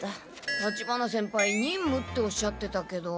立花先輩にんむっておっしゃってたけど。